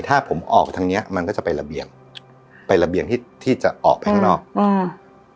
ถ้าผมออกทางเนี้ยมันก็จะไประเบียงไประเบียงที่ที่จะออกไปข้างนอกอืม